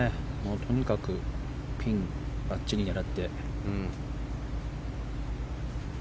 とにかくピンをばっちり狙って。